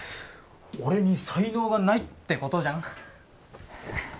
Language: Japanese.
俺に才能がないってことじゃん